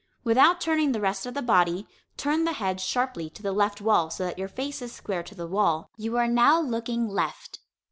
Without turning the rest of the body, turn the head sharply to the left wall, so that your face is square to the wall. You are now looking left.